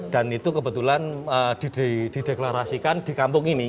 dan itu kebetulan dideklarasikan di kampung ini